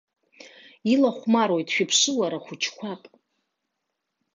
Илахәмаруеит, шәыԥшы, уара, хәыҷқәак!